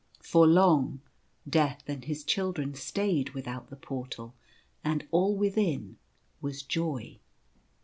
For long, Death and his Children stayed without the Portal and all within was joy.